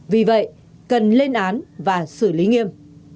vì vậy cần lên án và xử lý nghiêm